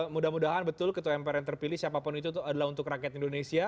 mudah mudahan betul ketua mpr yang terpilih siapapun itu adalah untuk rakyat indonesia